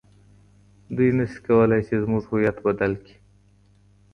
دوی نسي کولای چي زموږ هویت بدل کړي.